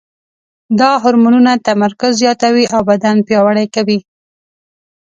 دا هورمونونه تمرکز زیاتوي او بدن پیاوړی کوي.